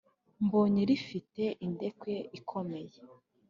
Mbonye rifite indekwe ikomeye